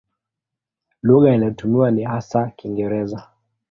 Lugha inayotumiwa ni hasa Kiingereza.